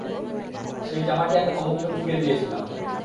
সেই জামাটি আমি অমুক ব্যক্তিকে দিয়েছিলাম।